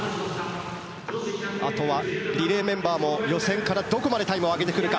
あとはリレーメンバーも予選からどこまでタイムを上げてくるか。